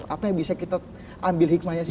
apa yang bisa kita ambil hikmahnya sih